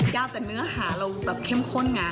แต่เนื้อหาเราแบบเข้มข้นไง